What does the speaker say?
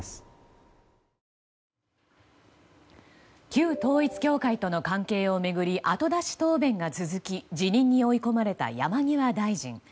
旧統一教会との関係を巡り後出し答弁が続き辞任に追い込まれた山際大臣。